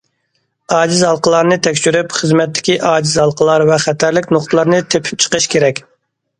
ئاجىز ھالقىلارنى تەكشۈرۈپ، خىزمەتتىكى ئاجىز ھالقىلار ۋە خەتەرلىك نۇقتىلارنى تېپىپ چىقىش كېرەك.